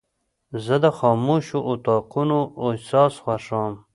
زه د خاموشو اتاقونو احساس خوښوم.